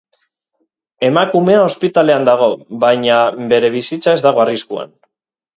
Emakumea ospitalean dago baina bere bizitza ez dago arriskuan.